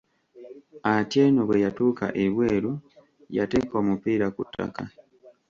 Atieno bwe yatuuka ebweru, yateeka omupiira ku ttaka.